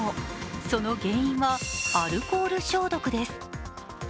その原因はアルコール消毒です。